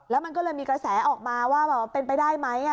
แล้วมันก็เลยมีกระแสออกมาว่าเป็นไปได้ไหม